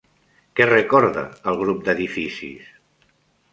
Què recorda el grup d'edificis?